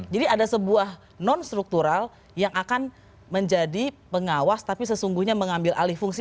jadi ada sebuah non struktural yang akan menjadi pengawas tapi sesungguhnya mengambil alih fungsi